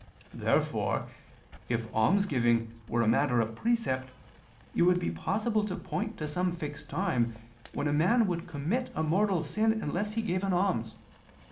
Therefore, if almsgiving were a matter of precept, it would be possible to point to some fixed time when a man would commit a mortal sin unless he gave an alms.